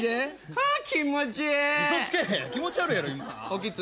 は気持ちいい！